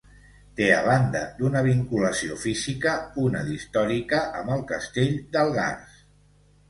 Té, a banda d'una vinculació física, una d'històrica amb el castell d'Algars.